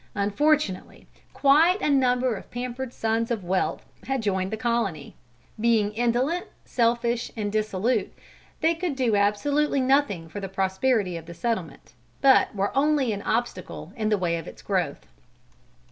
Unfortunately quite a number of pampered sons of wealth had joined the colony. Being indolent, selfish and dissolute, they could do absolutely nothing for the prosperity of the settlement, but were only an obstacle in the way of its growth.